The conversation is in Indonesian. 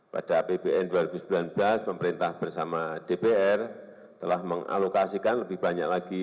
pada apbn dua ribu sembilan belas pemerintah bersama dpr telah mengalokasikan lebih banyak lagi